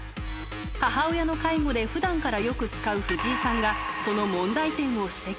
母親の介護でふだんからよく使う藤井さんが、その問題点を指摘。